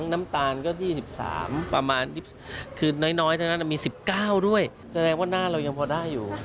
น้ำตาลก็๒๓ประมาณคือน้อยเท่านั้นมี๑๙ด้วยแสดงว่าหน้าเรายังพอได้อยู่